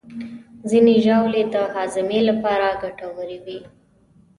ځینې ژاولې د هاضمې لپاره ګټورې وي.